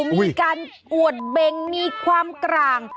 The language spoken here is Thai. มีการอวดเบงมีความกลาง